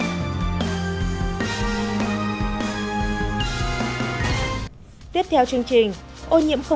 cuối năm hai nghìn tám hà nội có hai hai triệu phương tiện trong đó có một trăm tám mươi năm ô tô